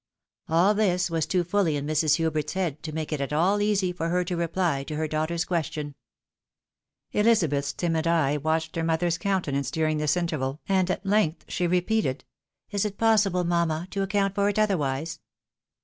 All this was too fully in Mrs. Hubert's head to make it at all easy for her to reply to her daughter's question. Elizabeth watched her mother's coun tenance during this interval, and, at length, she repeated, " Is it possible, mamma, to account for it otherwise